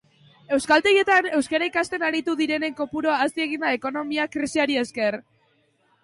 Euskaltegietan euskara ikasten aritu direnen kopurua hazi egin da ekonomia krisiari esker.